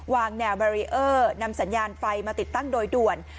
วางแนวบารีเออร์นำสัญญาณไฟมาติดตั้งโดยด่วน